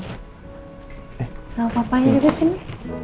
eh sama papanya juga sini